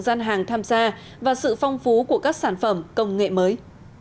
gian hàng tham gia và sự phong phú của các sản phẩm công nghệ mới